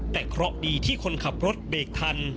แต่เคราะห์ดีที่คนขับรถเบรกทัน